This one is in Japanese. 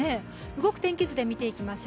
動く天気図で見ていきましょう。